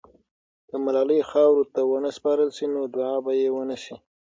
که ملالۍ خاورو ته ونه سپارل سي، نو دعا به یې ونسي.